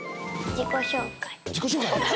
自己紹介！